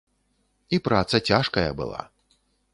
І праца цяжкая была.